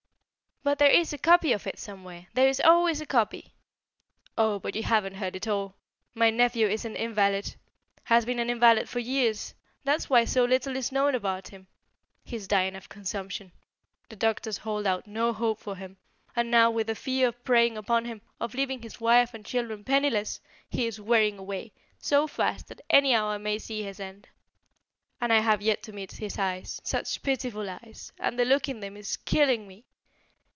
"But there's a copy of it somewhere there is always a copy " "Oh, but you haven't heard all. My nephew is an invalid; has been an invalid for years that's why so little is known about him. He's dying of consumption. The doctors hold out no hope for him, and now, with the fear preying upon him of leaving his wife and children penniless, he is wearing away so fast that any hour may see his end. And I have to meet his eyes such pitiful eyes and the look in them is killing me.